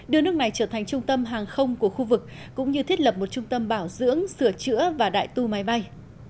đưa nước này trở thành trung tâm hàng không của khu vực cũng như thiết lập một trung tâm bảo dưỡng sửa chữa và đại tu máy bay